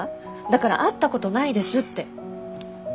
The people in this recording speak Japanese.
だから会ったことないですって。